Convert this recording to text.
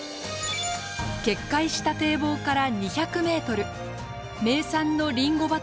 決壊した堤防から２００メートル名産のりんご畑